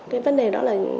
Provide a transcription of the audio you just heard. cái vấn đề đó là